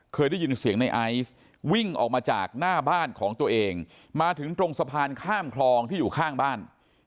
เคยได้ยินเสียงในไอซ์วิ่งออกมาจากหน้าบ้านของตัวเองมาถึงตรงสะพานข้ามคลองที่อยู่ข้างบ้าน